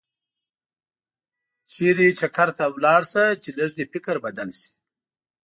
چېرته چکر ته لاړ شه چې لږ دې فکر بدل شي.